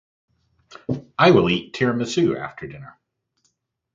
I will eat tiramisu after dinner.